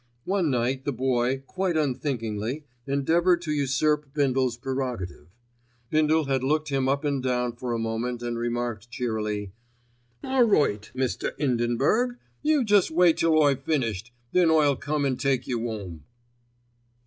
One night the Boy, quite unthinkingly, endeavoured to usurp Bindle's prerogative. Bindle had looked him up and down for a moment and remarked cheerily: "All right, 'Mr. 'Indenburg,' you jest wait till I've finished, then I'll come and take you 'ome."